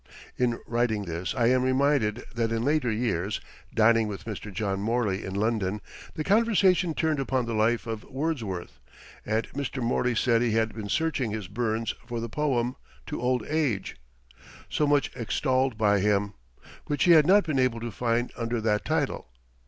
In writing this I am reminded that in later years, dining with Mr. John Morley in London, the conversation turned upon the life of Wordsworth, and Mr. Morley said he had been searching his Burns for the poem to "Old Age," so much extolled by him, which he had not been able to find under that title.